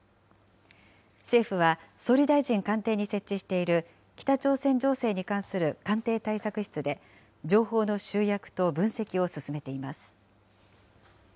政府は、総理大臣官邸に設置している北朝鮮情勢に関する官邸対策室で、情報の集約と分析を進めています。